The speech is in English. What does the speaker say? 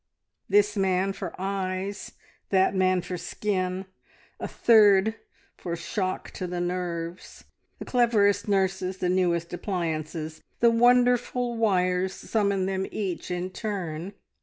This man for eyes, that man for skin, a third for shock to the nerves; the cleverest nurses, the newest appliances the wonderful wires summoned them each in turn.